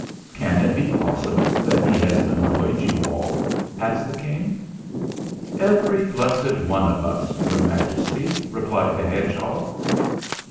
"Can it be possible that he has annoyed you all?" asked the King. "Every blessed one of us, Your Majesty," replied the hedgehog.